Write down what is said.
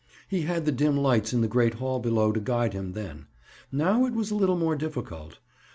He had the dim lights in the great hall below to guide him then. Now it was a little more difficult.